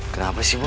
kenapa sih boy